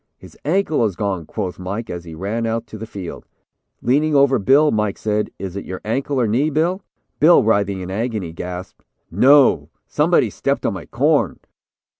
'His ankle is gone,' quoth Mike, as he ran out to the field. Leaning over Bill, Mike said: 'Is it your ankle, or knee, Bill?' Bill, writhing in agony, gasped: "'No; somebody stepped on my corn.'"